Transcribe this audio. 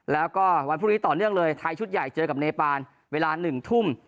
แล้วก็วันพรุ่งนี้ต่อเนื่องเลยไทยชุดใหญ่เจอกับเนปานเวลา๑ทุ่ม